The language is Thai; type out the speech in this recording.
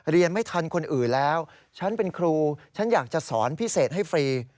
เรียนไม่ทันคนอื่นแล้วฉันเป็นครูฉันอยากจะสอนพิเศษให้ฟรี